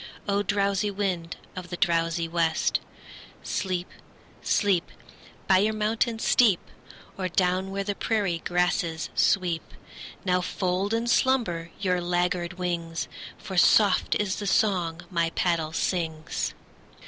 O! drowsy wind of the drowsy west, Sleep, sleep, By your mountain steep, Or down where the prairie grasses sweep! Now fold in slumber your laggard wings, For soft is the song my paddle sings.